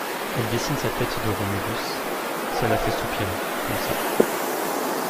Elle dessine sa tête de Romulus… ça la fait soupirer comme ça.